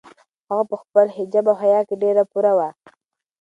هغه په خپل حجاب او حیا کې ډېره پوره وه.